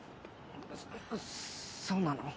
そそうなの？